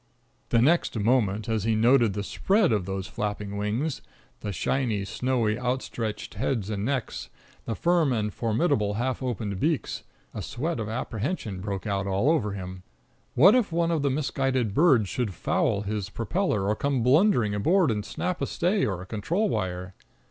The next moment, as he noted the spread of those flapping wings, the shining, snowy, outstretched heads and necks, the firm and formidable half opened beaks, a sweat of apprehension broke out all over him. What if one of the misguided birds should foul his propeller or come blundering aboard and snap a stay or a control wire?